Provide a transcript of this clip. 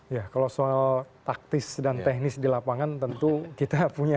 ya kalau soal taktis dan teknis di lapangan tentu kita punya